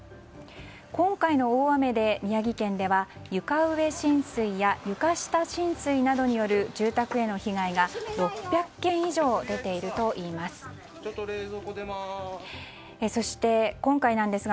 今回の大雨で宮城県では床上浸水や床下浸水などによる住宅への被害が６００件以上出ているということです。